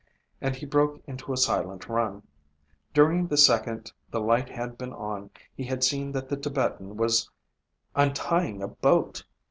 And he broke into a silent run. During the second the light had been on he had seen that the Tibetan was untying a boat!